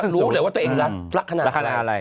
รู้เหลือว่าตัวเองรักษณะอะไร